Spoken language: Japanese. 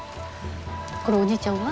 これおじいちゃんは？